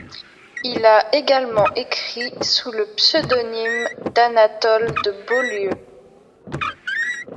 Il a également écrit sous le pseudonyme d'Anatole de Beaulieu.